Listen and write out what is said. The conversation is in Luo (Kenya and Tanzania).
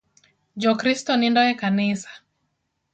Ja Kristo nindo e kanisa